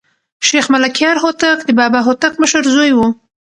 شېخ ملکیار هوتک د بابا هوتک مشر زوى وو.